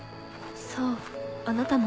そうあなたも。